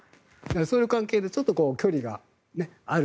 そういう関係でちょっと距離がある。